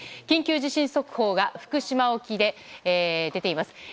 緊急地震速報が福島沖で出ています。